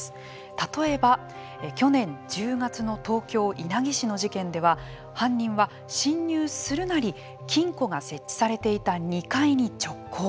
例えば、去年１０月の東京・稲城市の事件では犯人は侵入するなり金庫が設置されていた２階に直行。